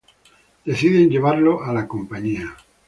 Deciden llevarlo a La Compañía.